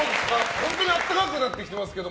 本当に暖かくなってきてますけど。